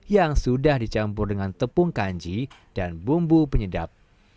yang sudah dicampur dengan tepung kanji dan bumbu penyedap